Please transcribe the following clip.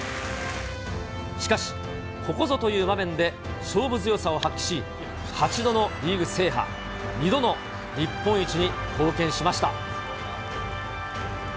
しかし、ここぞという場面で勝負強さを発揮し、８度のリーグ制覇、２度の日本一に貢献しました。